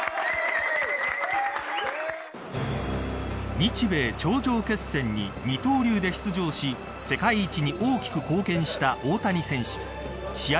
日米頂上決戦に二刀流で出場し世界一に大きく貢献した大谷選手試合